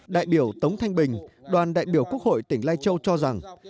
đại biểu tống thanh bình đoàn đại biểu quốc hội tỉnh lai châu cho rằng